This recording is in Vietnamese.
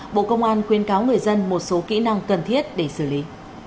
bộ công an khuyên cáo người dân một số kỹ năng cần thiết để xử lý